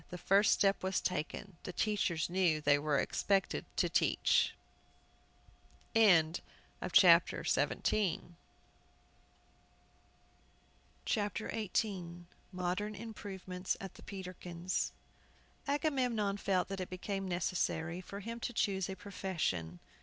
The first step was taken. The teachers knew they were expected to teach. MODERN IMPROVEMENTS AT THE PETERKINS'. AGAMEMNON felt that it became necessary for him to choose a profession.